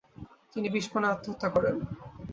তিনি বিষপানে আত্মহত্যা করেন।